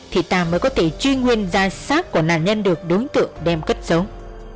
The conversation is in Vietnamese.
thì ta mới có thể truy nguyên ra xác của nạn nhân được đối tượng đem cất giống